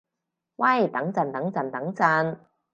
喂等陣等陣等陣